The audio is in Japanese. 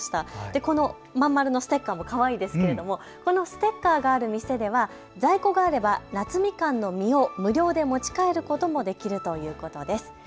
この真ん丸ステッカーもかわいいですけれどもこのステッカーのある店では夏みかんの実を無料で在庫があれば持ち帰ることもできるということです。